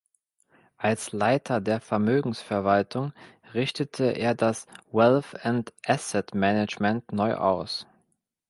Als Leiter der Vermögensverwaltung richtete er das Wealth and Asset Management neu aus.